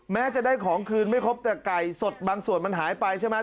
แม้จะได้ของคืนไม่ครบแต่ไก่สดบางส่วนมันหายไปใช่ไหม